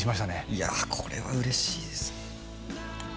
いやこれは嬉しいですね